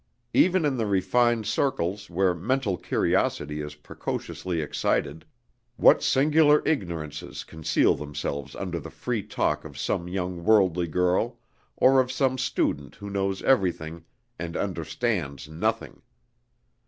Even in the refined circles where mental curiosity is precociously excited, what singular ignorances conceal themselves under the free talk of some young worldly girl or of some student who knows everything and understands nothing!